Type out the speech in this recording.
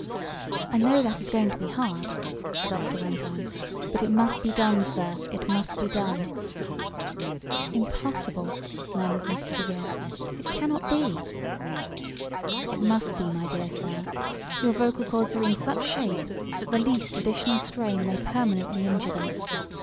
"I know that is going to be hard," the doctor went on; "but it must be done sir, it must be done." "Impossible!" murmured Mr. DeVere. "It cannot be!" "It must be, my dear sir. Your vocal chords are in such shape that the least additional strain may permanently injure them.